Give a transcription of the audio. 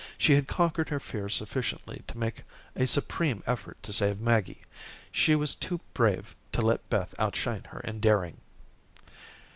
She had conquered her fear sufficiently to make a supreme effort to save Maggie. She was too brave to let Beth outshine her in daring.